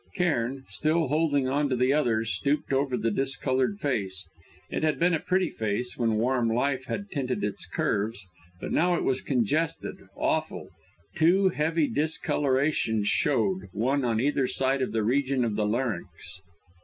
Cairn, still holding on to the other, stooped over the discoloured face. It had been a pretty face when warm life had tinted its curves; now it was congested awful; two heavy discolorations showed, one on either side of the region of the larynx.